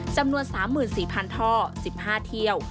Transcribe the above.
จำนวน๓๔๐๐ท่อ๑๕เที่ยว